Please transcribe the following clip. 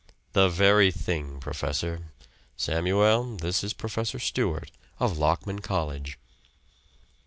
"The very thing, professor. Samuel, this is Professor Stewart, of Lockman College."